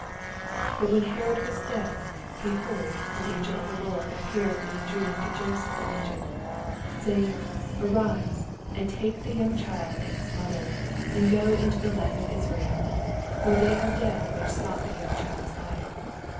19 Bat when Herod was dead, be hold, an angel of the Lord appeareth in a dream to Joseph in Egypt, 20 Savinff, Arise, and take the ▼onng onila and bis mother, and go mto the land of Israel : for the^ are dead which aoaght the young ohild^s life.